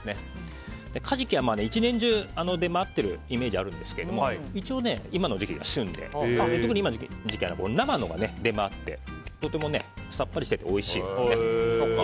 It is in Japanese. カジキは１年中、出回っているイメージがあるんですけども一応、今の時期が旬で特に今の時期は生のほうが出回ってとてもさっぱりしておいしいのでね。